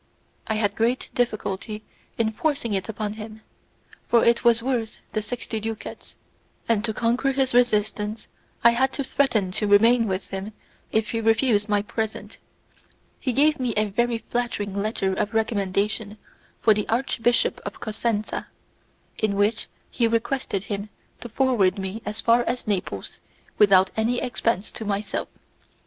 I had great difficulty in forcing it upon him, for it was worth the sixty ducats, and to conquer his resistance I had to threaten to remain with him if he refused my present. He gave me a very flattering letter of recommendation for the Archbishop of Cosenza, in which he requested him to forward me as far as Naples without any expense to myself.